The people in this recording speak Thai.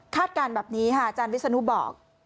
คาดการณ์แบบนี้อาจารย์วิศนุบอก